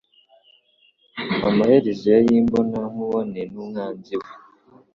Amaherezo yari imbonankubone n'umwanzi we.